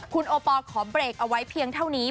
คุณโอปอลขอเบรกเอาไว้เพียงเท่านี้